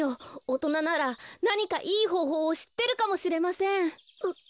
おとなならなにかいいほうほうをしってるかもしれません。